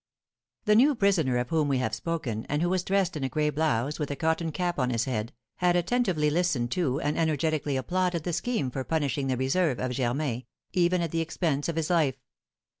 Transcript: The new prisoner of whom we have spoken, and who was dressed in a gray blouse, with a cotton cap on his head, had attentively listened to and energetically applauded the scheme for punishing the reserve of Germain, even at the expense of his life.